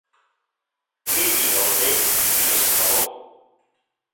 Plini el Vell i Estrabó.